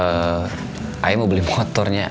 eh ayo mau beli motornya